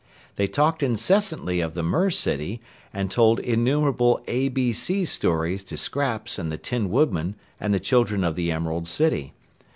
They talked incessantly of the Mer City and told innumerable A B Sea stories to Scraps and the Tin Woodman and the children of the Emerald City.